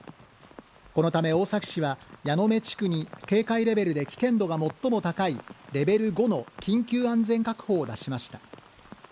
このため、大崎市は矢目地区に警戒レベルで危険度が最も高いレベル５の緊急安全確保を出しました。